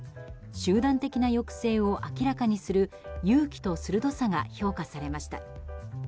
集団的な抑制を明らかにする勇気と鋭さが評価されました。